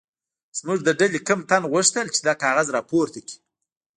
زموږ د ډلې کوم تن غوښتل چې دا کاغذ راپورته کړي.